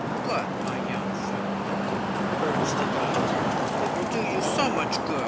"But, my young fellow," urged the doctor, "it will do you so much good.